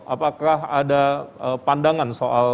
apakah ada pandangan soal